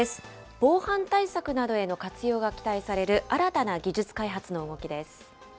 防犯対策などへの活用が期待される新たな技術開発の動きです。